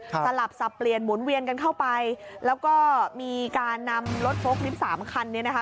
สลับสับเปลี่ยนหมุนเวียนกันเข้าไปแล้วก็มีการนำรถโฟล์คลิปสามคันเนี่ยนะคะ